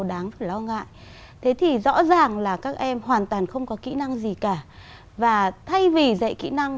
đáng lo ngại thế thì rõ ràng là các em hoàn toàn không có kỹ năng gì cả và thay vì dạy kỹ năng